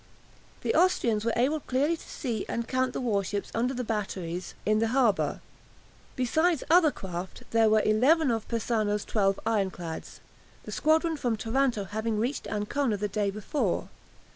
The Austrians were able clearly to see and count the warships under the batteries in the harbour. Besides other craft, there were eleven of Persano's twelve ironclads, the squadron from Taranto having reached Ancona the day before.